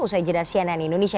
usai jelas cnn indonesia